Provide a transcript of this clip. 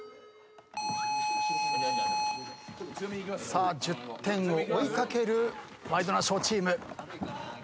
さあ１０点を追い掛けるワイドナショーチーム。